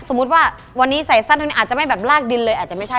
สมมุติว่าวันนี้ใส่สั้นเท่านี้อาจจะไม่แบบลากดินเลยอาจจะไม่ใช่